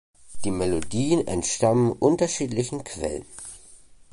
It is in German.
Die Melodien entstammen unterschiedlichen Quellen.